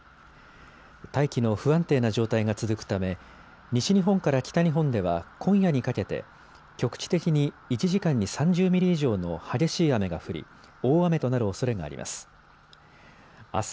大気の不安定な状態が続くため西日本から北日本では今夜にかけて局地的に１時間に３０ミリ以上の激しい雨が降り大雨となるおそれがあります。